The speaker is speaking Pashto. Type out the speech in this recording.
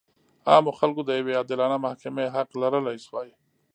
عامو خلکو د یوې عادلانه محکمې حق لرلی شوای.